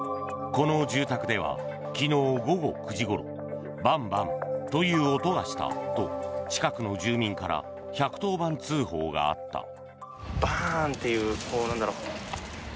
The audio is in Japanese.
この住宅では昨日午後９時ごろバンバンという音がしたと近くの住民から１１０番通報があった。